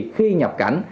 khi nhập cảnh